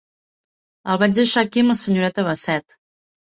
El vaig deixar aquí amb la senyoreta Bassett.